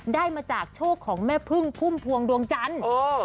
ได้มาจากโชคของแม่พึ่งพุ่มพวงดวงจันทร์